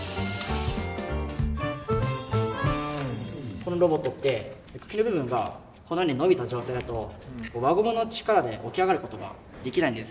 このロボットって茎の部分がこのように伸びた状態だと輪ゴムの力で起き上がることができないんです。